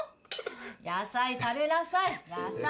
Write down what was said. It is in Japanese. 野菜食べなさい野菜。